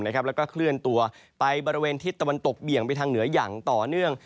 แล้วก็เคลื่อนตัวไปบริเวณทิศตะวันตกเบี่ยงไปทางเหนืออย่างต่อเนื่อง